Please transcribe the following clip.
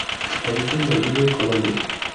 Habita en Bolivia y Colombia.